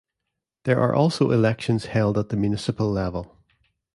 There are also elections held at the municipal level.